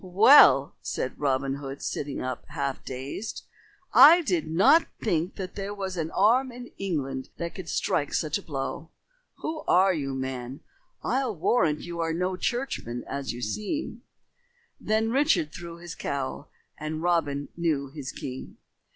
"Well," said Robin Hood, sitting up, half dazed, "I did not think that there was an arm in England that could strike such a blow. Who are you, man? I'll warrant you are no churchman as you seem." Then Richard threw his cowl, and Robin knew his king.